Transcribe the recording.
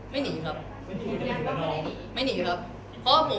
ไม่หนีหรือเปล่าไม่หนีครับไม่หนีครับ